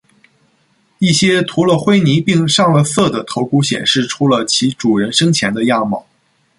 一些涂了灰泥并上了色的头骨显示出了其主人生前的样貌。